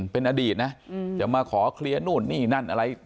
เป็นอดีตนะจะมาขอเคลียร์นู่นนี่นั่นอะไร